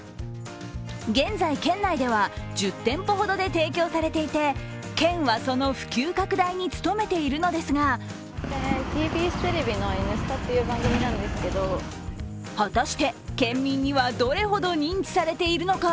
現在県内では、１０店舗ほどで提供されていて、県はその普及拡大に努めているのですが果たして、県民にはどれほど認知されているのか